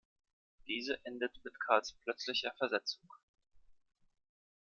Diese endet mit Karls plötzlicher Versetzung.